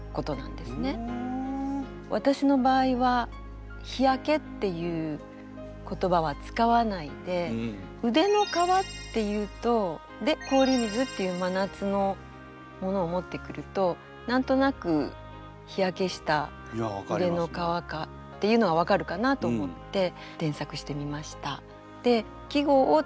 私の場合は日焼けっていう言葉は使わないで「腕の皮」っていうとで「氷水」っていう夏のものを持ってくると何となく日焼けした腕の皮かっていうのは分かるかなと思って添削してみました。